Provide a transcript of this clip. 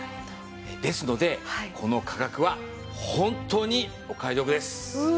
ですのでこの価格は本当にお買い得です。